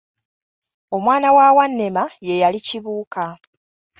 Omwana wa Wannema ye yali Kibuuka.